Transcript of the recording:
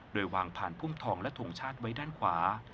โดยวางผ่านพุ่มทองและทงชาติไว้ด้านขวา